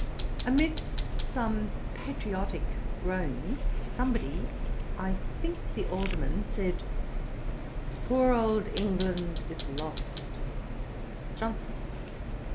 Amidst some patriotick groans, somebody (I think the Alderman) said, 'Poor old England is lost.' JOHNSON.